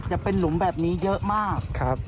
จะเป็นหลุมแบบนี้เยอะมาก